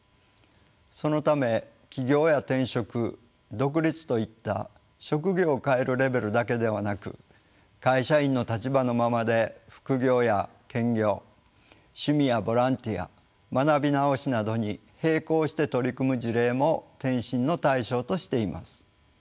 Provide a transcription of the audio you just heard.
そのため起業や転職独立といった職業を変えるレベルだけではなく会社員の立場のままで副業や兼業趣味やボランティア学び直しなどに並行して取り組む事例も転身の対象としています。